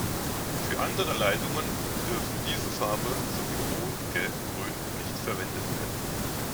Für andere Leitungen dürfen diese Farben sowie rot, gelb und grün nicht verwendet werden.